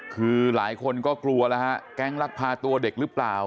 คือหลายคนก็กลัวแล้วฮะแก๊งลักพาตัวเด็กหรือเปล่า